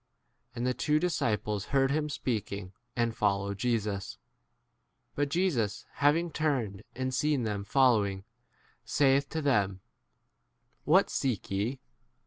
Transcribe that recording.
And the two disciples heard him speaking, and followed 38 Jesus. But Jesus having turned, and seeing them following, saith to them, What seek ye